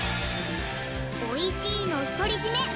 おいしいの独り占め